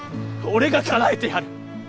俺がかなえてやる！